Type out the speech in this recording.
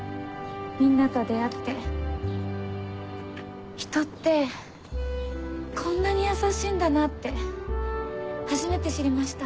みんなと出会って人ってこんなに優しいんだなって初めて知りました。